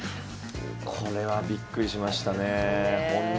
これは、びっくりしましたね。